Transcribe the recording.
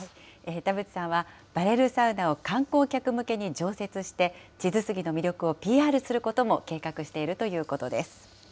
田淵さんはバレルサウナを観光客向けに常設して、智頭杉の魅力をＰＲすることも計画しているということです。